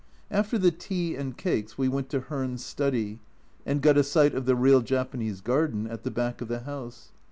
After the tea and cakes we went to Hearn's study, and got a sight of the real Japanese garden at the back of the house.